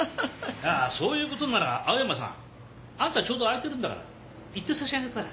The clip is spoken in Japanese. そういうことなら青山さんあんたちょうど空いてるんだから行ってさしあげたら？